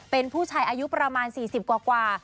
เป็นผู้ชายอายุประมาณ๔๐กว่า